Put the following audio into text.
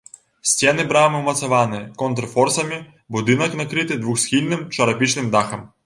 Сцены брамы ўмацаваны контрфорсамі, будынак накрыты двухсхільным чарапічным дахам.